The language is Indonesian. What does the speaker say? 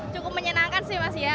cukup menyenangkan sih mas ya